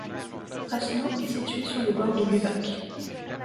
Rasno est situé sur les bords de l'Uvac.